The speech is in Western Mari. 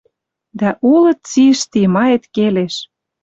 Дӓ улы цишти, маэт келеш, —